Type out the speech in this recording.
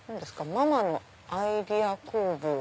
「ママのアイディア工房」。